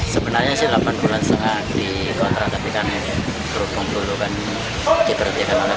sebenarnya delapan bulan saat di kontrak tapi kan berhubung sepuluh bulan